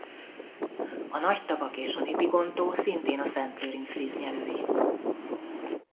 A Nagy-tavak és a Nipigon-tó szintén a Szent Lőrinc víznyelői.